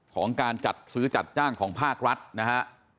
ของการจัดซื้อจัดจ้างของภาครัฐนะฮะ